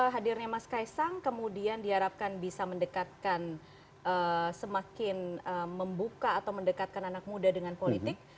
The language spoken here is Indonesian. hadirnya mas kaisang kemudian diharapkan bisa mendekatkan semakin membuka atau mendekatkan anak muda dengan politik